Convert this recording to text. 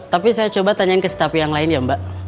tapi saya coba tanyain ke staff yang lain ya mbak